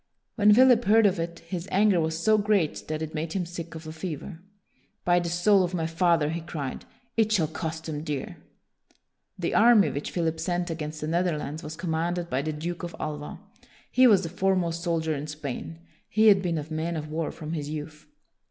When Philip heard of it, his anger was so great that it made him sick of a fever. " By the soul of my father," he cried, " it shall cost them dear!" WILLIAM THE SILENT 185 The army which Philip sent against the Netherlands was commanded by the Duke of Alva. He was the foremost soldier in Spain. He had been a man of war from his youth.